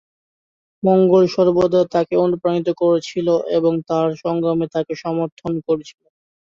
মঙ্গল সর্বদা তাকে অনুপ্রাণিত করেছিল এবং তার সংগ্রামে তাকে সমর্থন করেছিল।